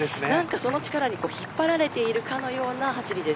その力に引っ張られているかのような走りです。